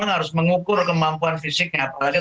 harus mengukur kemampuan fisiknya apalagi